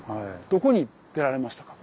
どこに出られましたか？